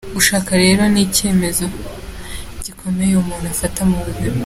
Gushaka rero ni icyemezo gikomeye umuntu afata mu buzima.